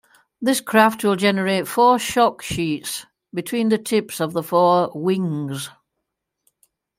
This craft will generate four shock sheets, between the tips of the four "wings".